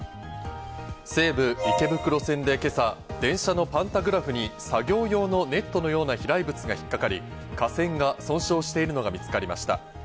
西武池袋線で今朝、電車のパンタグラフに作業用のネットのような飛来物が引っかかり、架線が損傷しているのが見つかりました。